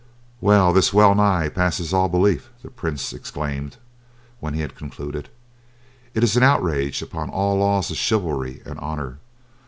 "Well, this well nigh passes all belief," the prince exclaimed when he had concluded. "It is an outrage upon all laws of chivalry and honour.